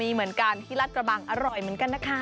เหมือนกันที่รัฐกระบังอร่อยเหมือนกันนะคะ